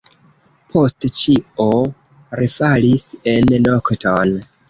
Poste ĉio refalis en nokton.